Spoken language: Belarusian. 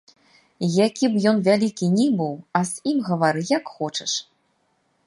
Які б ён вялікі ні быў, а з ім гавары як хочаш.